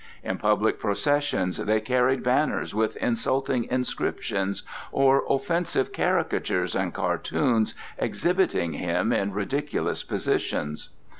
In public processions they carried banners with insulting inscriptions or offensive caricatures and cartoons exhibiting him in ridiculous positions.